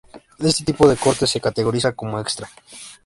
Este tipo de corte se categoriza como extra.